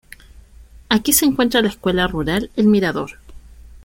Aquí se encuentra la escuela rural El Mirador.